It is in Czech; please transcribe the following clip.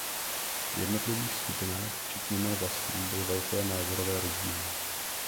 V jednotlivých skupinách včetně mé vlastní byly velké názorové rozdíly.